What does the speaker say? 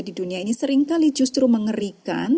di dunia ini seringkali justru mengerikan